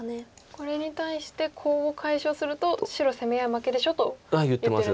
これに対してコウを解消すると白攻め合い負けでしょと言ってる。